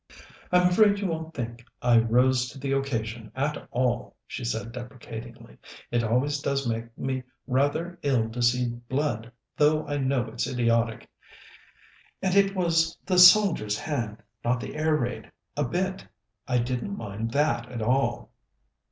"I'm afraid you won't think I rose to the occasion at all," she said deprecatingly. "It always does make me rather ill to see blood, though I know it's idiotic, and it was the soldier's hand, not the air raid a bit, I didn't mind that at all."